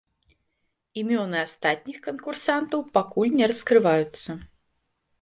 Імёны астатніх канкурсантаў пакуль не раскрываюцца.